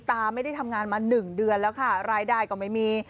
ตาไม่ได้ทำงานมา๑เดือนแล้วค่ะรายได้ก็ไม่มี